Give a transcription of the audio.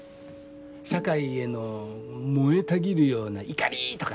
社会への燃えたぎるような怒りとか？